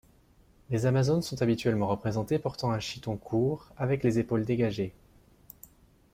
Les Amazones sont habituellement représentées portant un chiton court avec les épaules dégagées.